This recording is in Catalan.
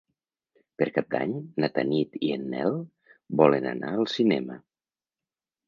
Per Cap d'Any na Tanit i en Nel volen anar al cinema.